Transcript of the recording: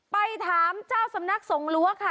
ไปถามเจ้าสำนักสงรั้วค่ะ